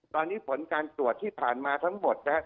ตอนนี้ผลการตรวจที่ผ่านมาทั้งหมดนะครับ